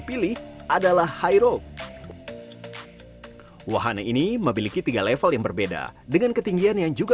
pilih adalah high road wahana ini memiliki tiga level yang berbeda dengan ketinggian yang juga